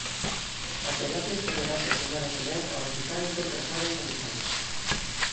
A terapia estenderase a semana que vén a hospitais doutras áreas sanitarias.